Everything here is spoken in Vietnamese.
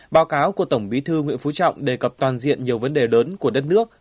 báo cáo của tổng bí thư nguyễn phú trọng đề cập toàn diện nhiều vấn đề lớn của đất nước